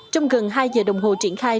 trong gần hai giờ đồng hồ triển khai